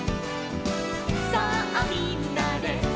「さあみんなで」